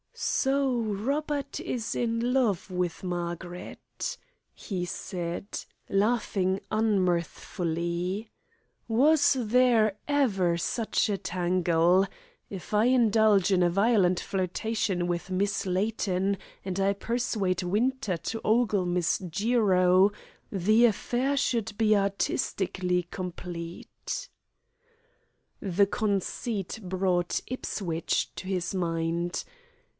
"So Robert is in love with Margaret," he said, laughing unmirthfully. "Was there ever such a tangle! If I indulge in a violent flirtation with Miss Layton, and I persuade Winter to ogle Mrs. Jiro, the affair should be artistically complete." The conceit brought Ipswich to his mind.